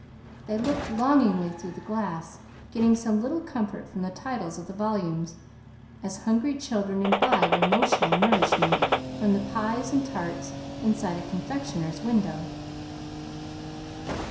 They looked longingly through the glass, getting some little comfort from the titles of the volumes, as hungry children imbibe emotional nourishment from the pies and tarts inside a confectioner's window.